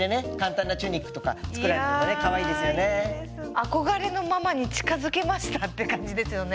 憧れのママに近づけましたって感じですよね。